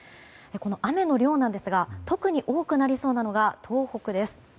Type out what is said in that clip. この雨の量ですが特に多くなりそうなのが東北です。